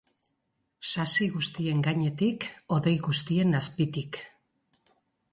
Sasi guztien gainetik, hodei guztien azpitik.